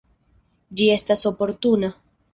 Ĝi estas oportuna.